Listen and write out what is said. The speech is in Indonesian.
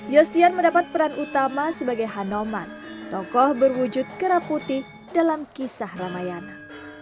yostian mendapat peran utama sebagai hanoman tokoh berwujud kera putih dalam kisah ramayana